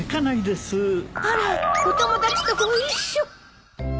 あらお友達とご一緒。